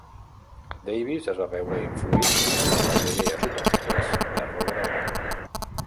Davis es va veure influït per les idees utòpiques de Robert Owen.